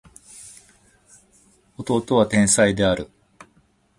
弟は天才である